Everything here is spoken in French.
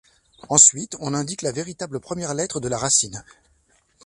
Ensuite on indique la véritable première lettre de la racine.